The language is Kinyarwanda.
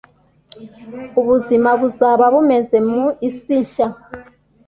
ubuzima buzaba bumeze mu isi nshya